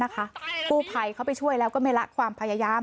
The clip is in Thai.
กู้ภัยไปช่วยไม่ได้ความพยายาม